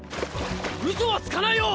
うそはつかないよ！